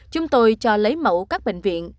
chúng tôi cho lấy mẫu các bệnh viện